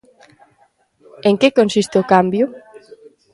En que consiste o cambio?